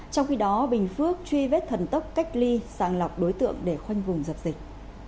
trong khi đó bình phước truy vết thần tốc cách ly sàng lọc đối tượng để khoanh vùng dập dịch